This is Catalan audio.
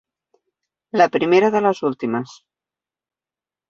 La primera de les últimes.